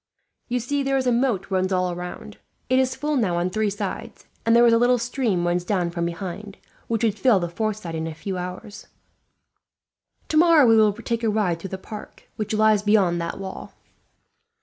You see there is a moat runs all round. It is full now on three sides, and there is a little stream runs down from behind, which would fill the fourth side in a few hours. "Tomorrow we will take a ride through the park, which lies beyond that wall."